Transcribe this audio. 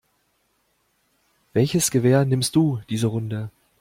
Welches Gewehr nimmst du diese Runde?